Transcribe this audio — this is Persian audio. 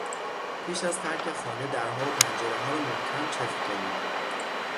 پیش از ترک خانه درها و پنجرهها را محکم چفت کنید.